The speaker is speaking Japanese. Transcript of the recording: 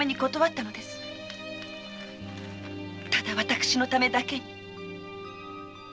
ただ私のためだけに。